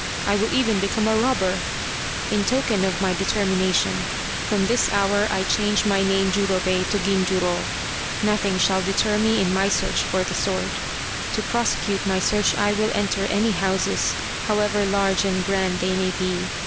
I will even become a robber. In token of my determina II The Quest of the Sword tion, from this hour I change my name Jurobei to Ginjuro. Nothing shall deter me in my search for the sword. To prosecute my search I will enter any houses, however large and grand they may be.